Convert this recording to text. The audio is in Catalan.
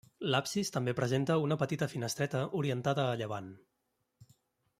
L'absis també presenta una petita finestreta orientada a llevant.